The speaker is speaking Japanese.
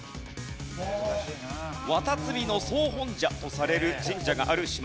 海神の総本社とされる神社がある島です。